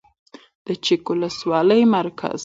د چک ولسوالۍ مرکز